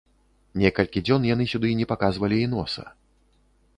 Некалькі дзён яны сюды не паказвалі і носа.